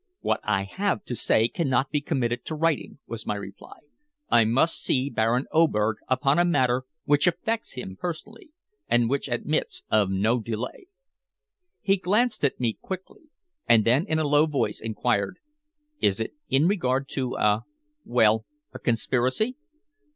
"What I have to say cannot be committed to writing," was my reply. "I must see Baron Oberg upon a matter which affects him personally, and which admits of no delay." He glanced at me quickly, and then in a low voice inquired: "Is it in regard to a well, a conspiracy?"